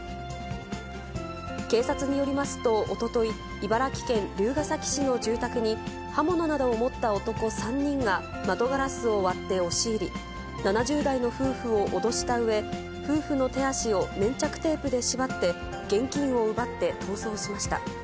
警察によりますと、おととい、茨城県龍ケ崎市の住宅に、刃物などを持った男３人が、窓ガラスを割って押し入り、７０代の夫婦を脅したうえ、夫婦の手足を粘着テープで縛って、現金を奪って逃走しました。